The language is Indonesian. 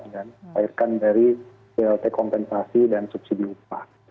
mencairkan dari blt kompensasi dan subsidi upah